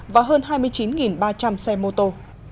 và hơn hai mươi chín ba trăm linh xe mô tô